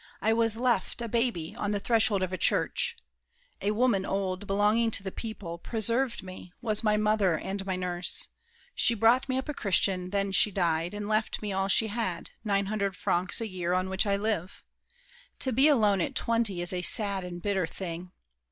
I was left, A baby, on the threshold of a church. A woman, old, belonging to the people, Preserved me, was my mother and my nurse. She brought me up a Christian, then she died And left me all she had—nine hundred francs A year, on which I live. To be alone At twenty is a sad and bitter thing!